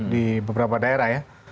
di beberapa daerah ya